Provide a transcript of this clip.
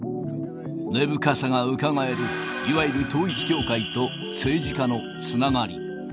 根深さがうかがえる、いわゆる統一教会と政治家のつながり。